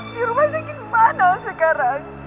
di rumah sakit mana sekarang